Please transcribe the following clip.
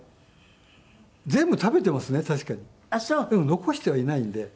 残してはいないんで。